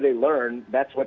itu yang mereka akan